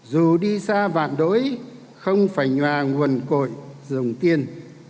dù đi xa vạn đối không phải nhòa nguồn cội dùng tiền